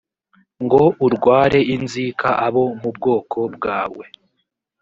ngo urware inzika abo mu bwoko bwawe